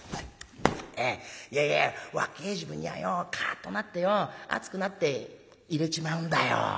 「いやいや若え時分にはよかあっとなってよ熱くなって入れちまうんだよ。